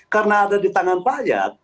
karena ada di tangan rakyat